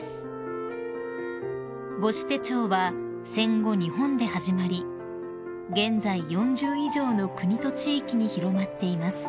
［母子手帳は戦後日本で始まり現在４０以上の国と地域に広まっています］